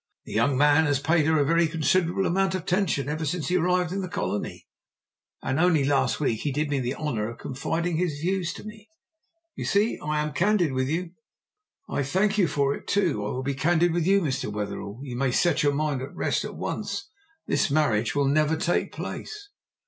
"The young man has paid her a very considerable amount of attention ever since he arrived in the colony, and only last week he did me the honour of confiding his views to me. You see I am candid with you." "I thank you for it. I, too, will be candid with you. Mr. Wetherell, you may set your mind at rest at once, this marriage will never take place!"